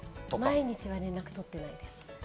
毎日は連絡取ってないです。